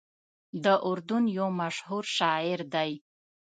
د اردن یو مشهور شاعر دی.